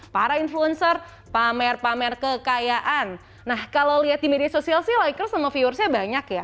para influencer pamer pamer kekayaan nah kalau lihat di media sosial sih liker sama viewersnya banyak ya